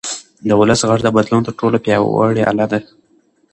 د ولس غږ د بدلون تر ټولو پیاوړی اله ده